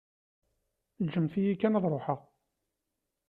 Ǧǧemt-iyi kan ad ṛuḥeɣ.